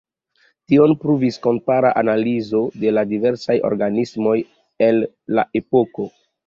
Tion pruvis kompara analizo de la diversaj organismoj el la epoko.